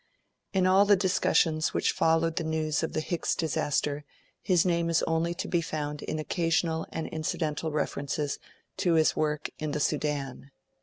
In all the discussions which followed the news of the Hicks disaster, his name is only to be found in occasional and incidental references to his work "In the Sudan".